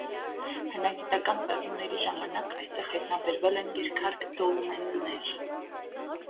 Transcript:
Հնագիտական պեղումների ժամանակ այստեղ հայտնաբերվել են երկհարկ դոլմեններ։